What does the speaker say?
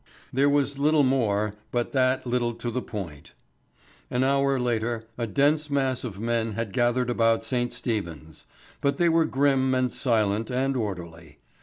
There was little more, but that little to the point. An hour later a dense mass of men had gathered about St. Stephen's. But they were grim and silent and orderly.